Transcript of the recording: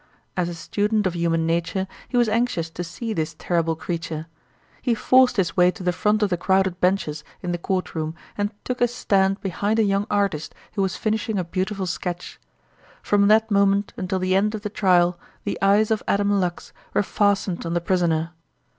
As a student of human nature he was anxious to see this terrible creature. He forced his way to the front of the crowded benches in the court room and took his stand behind a young artist who was finishing a beautiful sketch. From that moment until the end of the trial the eyes of Adam Lux were fastened on the prisoner.